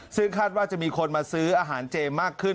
ซึ่งคาดว่าจะมีคนมาซื้ออาหารเจมากขึ้น